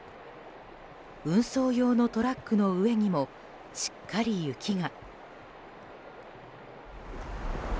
運送用のトラックの上にもしっかり雪が。